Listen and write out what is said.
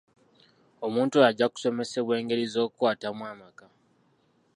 Omuntu oyo ajja kusomesebwa engeri z'okukwatamu amaka.